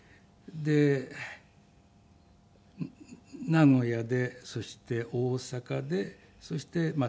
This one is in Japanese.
名古屋でそして大阪でそしてまあ